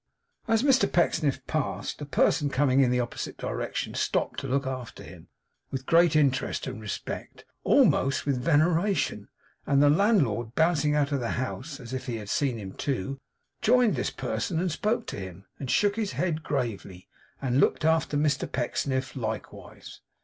As Mr Pecksniff passed, a person coming in the opposite direction stopped to look after him with great interest and respect, almost with veneration; and the landlord bouncing out of the house, as if he had seen him too, joined this person, and spoke to him, and shook his head gravely, and looked after Mr Pecksniff likewise.